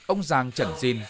ông giàng trẩn dìn